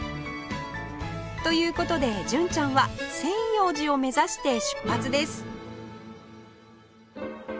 という事で純ちゃんは千葉寺を目指して出発です